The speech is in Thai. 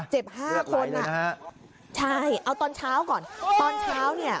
ห้าคนอ่ะฮะใช่เอาตอนเช้าก่อนตอนเช้าเนี่ย